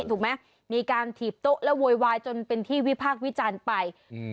ถูกไหมมีการถีบโต๊ะแล้วโวยวายจนเป็นที่วิพากษ์วิจารณ์ไปอืม